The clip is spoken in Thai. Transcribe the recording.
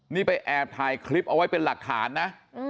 นี่ไปแอบถ่ายคลิปเอาไว้เป็นหลักฐานนะ